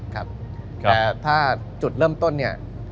แต่ถ้าจุดเริ่มต้น